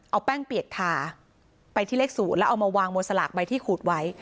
เอาแป้งเปียกทาไปที่เลข๐แล้วเอามาวางบนสลากใบที่ขูดไว้